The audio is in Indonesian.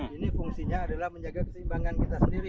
ini fungsinya adalah menjaga keseimbangan kita sendiri